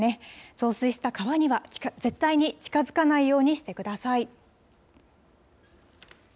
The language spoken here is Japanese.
増水した川には絶対に近づかないようにしてください。